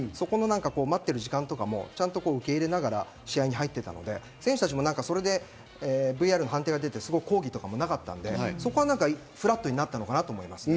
待ってる時間とかもちゃんと受け入れながら、試合に入っていたので、選手たちもそれでＶＡＲの判定は出て、抗議もなかったのでフラットになったのかなと思います。